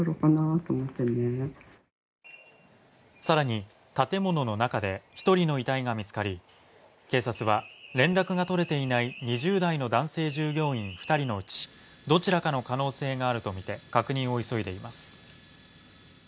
更に建物の中で１人の遺体が見つかり警察は、連絡が取れていない２０代の男性従業員２人のうち、どちらかの可能性があるとみて確認を急いでいます。